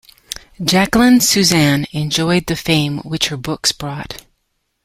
Jacqueline Susann enjoyed the fame which her books brought.